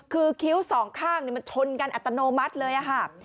คือคิ้วสองข้างมันชนกันอัตโนมัติเลยค่ะ